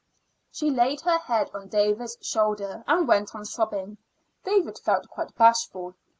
She laid her head on David's shoulder and went on sobbing. David felt quite bashful.